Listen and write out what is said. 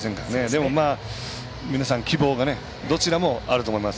でも、皆さん希望がどちらもあると思います。